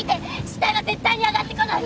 死体は絶対に揚がってこない。